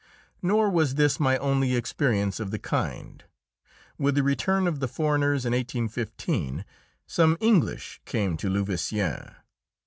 Nor was this my only experience of the kind. With the return of the foreigners in 1815, some English came to Louveciennes.